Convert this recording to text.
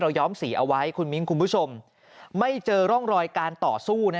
ย้อมสีเอาไว้คุณมิ้นคุณผู้ชมไม่เจอร่องรอยการต่อสู้